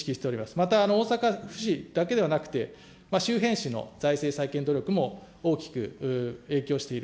また、大阪府市だけではなくて、周辺市の財政再建努力も大きく影響している。